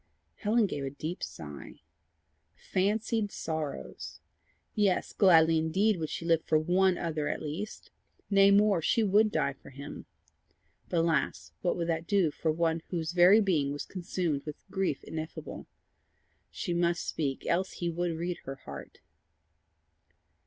Helen gave a deep sigh. Fancied sorrows! Yes, gladly indeed would she live for ONE other at least! Nay more she would die for him. But alas! what would that do for one whose very being was consumed with grief ineffable! She must speak, else he would read her heart.